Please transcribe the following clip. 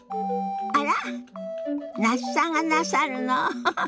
あら那須さんがなさるの？